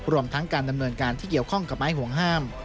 รวมทั้งการดำเนินการที่เกี่ยวข้องกับไม้ห่วงห้าม